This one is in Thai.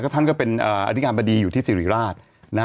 ท่านก็เป็นอธิการบดีอยู่ที่สิริราช